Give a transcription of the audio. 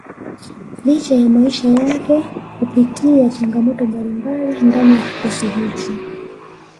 licha ya maisha yake kupitia changamoto mbalimbali ndani ya kikosi hicho